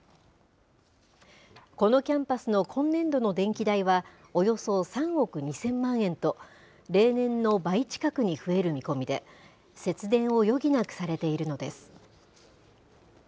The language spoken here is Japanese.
このキャンパスの今年度の電気代はおよそ３億２０００万円と、例年の倍近くに増える見込みで、節電を余儀なくされているのです。